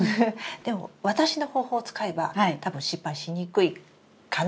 でも私の方法を使えば多分失敗しにくいかな？